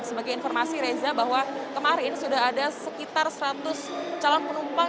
sebagai informasi reza bahwa kemarin sudah ada sekitar seratus calon penumpang